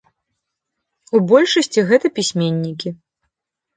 У большасці гэта пісьменнікі.